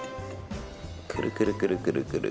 くるくるくるくる。